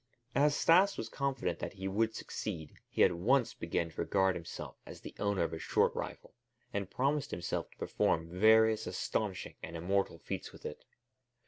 As Stas was confident that he would succeed, he at once began to regard himself as the owner of a short rifle and promised himself to perform various astonishing and immortal feats with it.